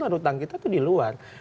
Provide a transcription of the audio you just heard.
karena utang kita itu di luar